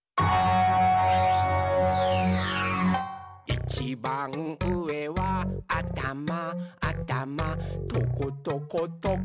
「いちばんうえはあたまあたまトコトコトコトコおでこだよ！」